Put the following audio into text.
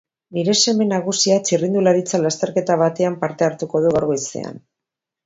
Nire seme nagusia txirrindularitza lasterketa batean parte hartuko du gaur goizean.